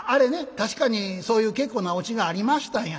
確かにそういう結構なオチがありましたんや。